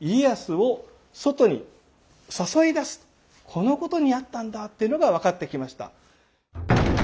このことにあったんだっていうのが分かってきました。